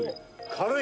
「軽い！」